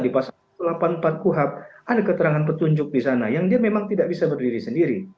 di pasal delapan puluh empat kuhap ada keterangan petunjuk di sana yang dia memang tidak bisa berdiri sendiri